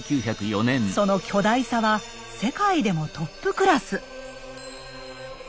その巨大さは世界でもトップクラス。